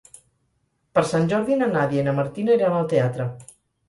Per Sant Jordi na Nàdia i na Martina iran al teatre.